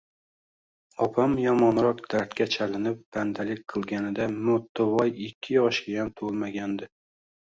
– Opam yomonroq dardga chalinib bandalik qilganida, Mo‘ttivoy ikki yoshgayam to‘lmaganidi